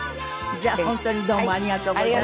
じゃあ本当にどうもありがとうございました。